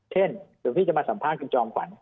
เช่นหลวงพี่จะมาสัมภาษณ์กับจอมขวัญ